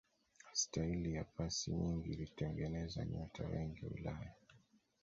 staili ya pasi nyingi ilitengeneza nyota wengi wa ulaya